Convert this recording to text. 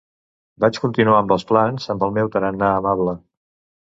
Vaig continuar amb els plans amb el meu tarannà amable.